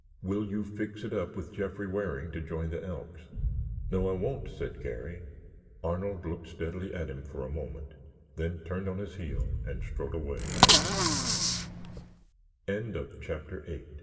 "Will you fix it up with Jeffrey Waring to join the Elks?" "No, I won't," said Garry. Arnold looked steadily at him for a moment, then turned on his heel and